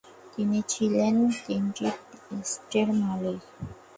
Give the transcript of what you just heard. তিনি ছিলেন তিনটি স্টেটের মালিক।